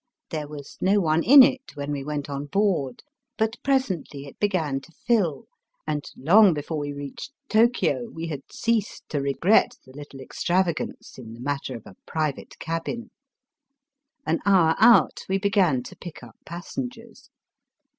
There was no one in it when we went on board, but presently it began to fill, and long before we reached Tokio we had ceased to regret the little extravagance in the matter of a private cabin. An hour out, we began to pick up passengers.